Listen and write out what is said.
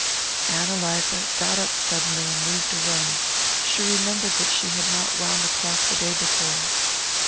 Ann Eliza got up suddenly and moved away; she remembered that she had not wound the clock the day before.